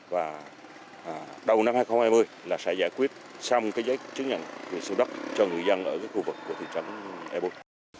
và đầu năm hai nghìn hai mươi là sẽ giải quyết xong cái giấy chứng nhận quyền sâu đắt cho người dân ở cái khu vực của thị trấn eapop